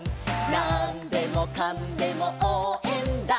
「なんでもかんでもおうえんだ！！」